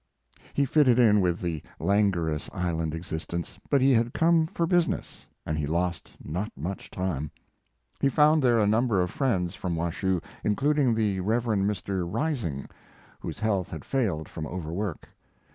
He fitted in with the languorous island existence, but he had come for business, and he lost not much time. He found there a number of friends from Washoe, including the Rev. Mr. Rising, whose health had failed from overwork.